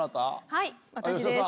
はい私です。